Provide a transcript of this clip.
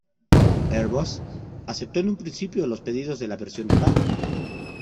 Airbus aceptó en un principio los pedidos de la versión de carga.